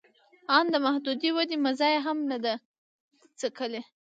آن د محدودې ودې مزه یې هم نه ده څکلې